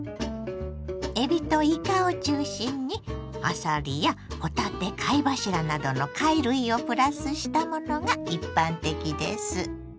えびといかを中心にあさりやほたて貝柱などの貝類をプラスしたものが一般的です。